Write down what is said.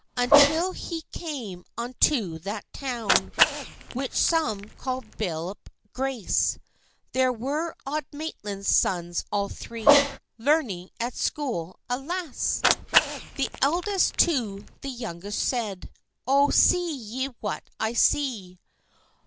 Until he came unto that town, Which some call Billop Grace: There were Auld Maitland's sons, all three, Learning at school, alas! The eldest to the youngest said, "Oh, see ye what I see?